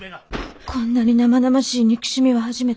こんなに生々しい憎しみは初めて。